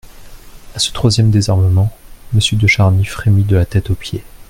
A ce troisième désarmement, Monsieur de Charny frémit de la tête aux pieds.